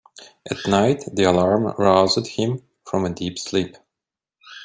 At night the alarm roused him from a deep sleep.